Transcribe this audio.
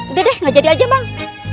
udah deh gak jadi aja bang